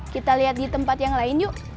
kita lihat di tempat yang lain yuk